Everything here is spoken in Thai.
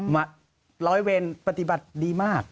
ร้อยเวรปฏิบัติดีมาก